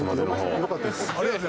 よかったです。